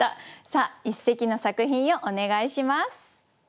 さあ一席の作品をお願いします。